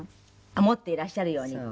持っていらっしゃるようにって。